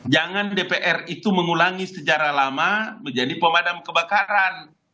jangan dpr itu mengulangi sejarah lama menjadi pemadam kebakaran